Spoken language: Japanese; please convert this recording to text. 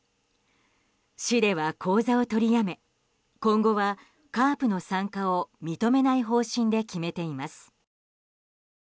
市では、講座を取りやめ今後は、ＣＡＲＰの参加を認めない方針で決めています。